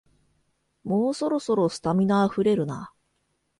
もうそろそろ、スタミナあふれるな